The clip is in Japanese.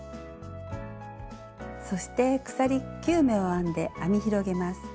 そして鎖９目を編んで編み広げます。